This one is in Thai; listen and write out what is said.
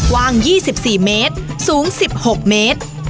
ว่าง๒๔เมตรสูง๑๖เมตร